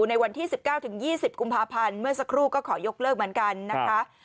ในวันที่๑๙๒๐กุมภาพันธ์เมื่อสักครู่ก็ขอยกเลิกเหมือนกันนะคะ